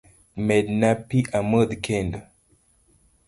Medna pi amodh kendo